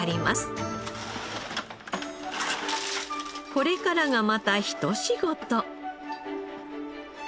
これからがまたひと仕事。